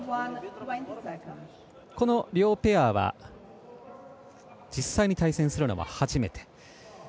この両ペアは実際に対戦するのは初めて。